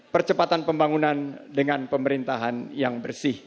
percepatan pembangunan dengan pemerintahan yang bersih